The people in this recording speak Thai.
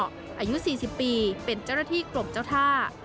อายุ๔๐ปีเป็นเจ้าหน้าที่กลมเจ้าท่า